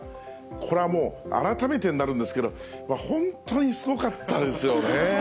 これはもう、改めてになるんですけど、本当にすごかったですよね。